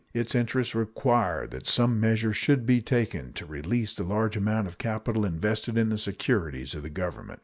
Its interests require that some measure should be taken to release the large amount of capital invested in the securities of the Government.